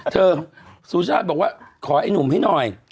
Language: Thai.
เธอสูชาห์บอกว่าขอให้หนูให้หน่อย